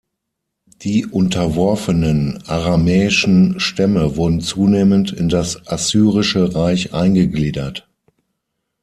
Die unterworfenen aramäischen Stämme wurden zunehmend in das assyrische Reich eingegliedert.